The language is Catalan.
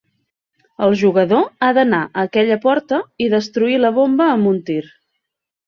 El jugador ha d"anar a aquella porta i destruir la bomba amb un tir.